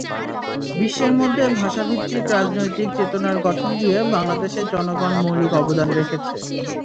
বিশ্বের মধ্যে ভাষাভিত্তিকি রাজনৈতিক চেতনার গঠন দিয়ে বাংলাদেশের জনগণ মৌলিক অবদান রেখেছে।